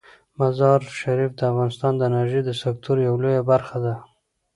مزارشریف د افغانستان د انرژۍ د سکتور یوه لویه برخه ده.